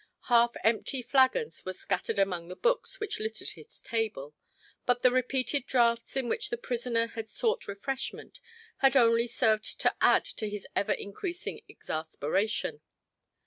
Half empty flagons were scattered among the books which littered his table, but the repeated draughts in which the prisoner had sought refreshment had only served to add to his ever increasing exasperation.